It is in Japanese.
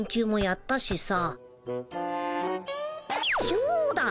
そうだ！